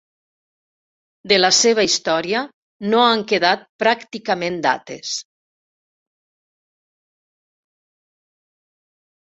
De la seva història no han quedat pràcticament dates.